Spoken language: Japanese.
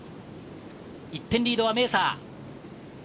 １点リードはメーサー。